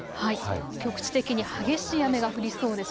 局地的に激しく雨が降りそうです。